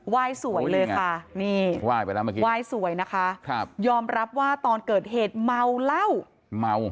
ว่ายสวยเลยค่ะนี่ยอมรับว่าตอนเกิดเหตุเมาเหล้า